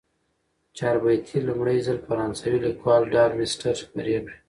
چاربیتې لومړی ځل فرانسوي لیکوال ډارمستتر خپرې کړې.